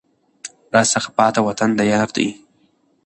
راڅخه پاته وطن د یار دی